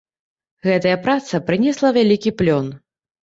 Гэтая праца прынесла вялікі плён.